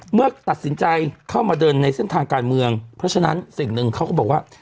เมื่อตัดสินใจเข้ามาเดินในเส้นทางการเมืองเพราะฉะนั้นสิ่งหนึ่งเขาก็บอกว่า